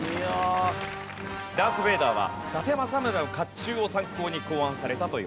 ダース・ベイダーは伊達政宗の甲冑を参考に考案されたといわれる。